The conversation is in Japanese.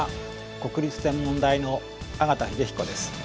国立天文台の縣秀彦です。